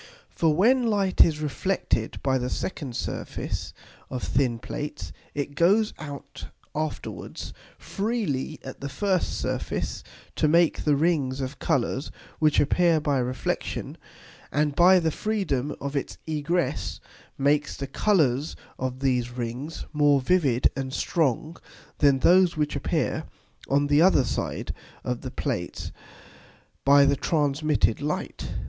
_ For when Light is reflected by the second Surface of thin Plates, it goes out afterwards freely at the first Surface to make the Rings of Colours which appear by Reflexion; and, by the freedom of its egress, makes the Colours of these Rings more vivid and strong than those which appear on the other side of the Plates by the transmitted Light.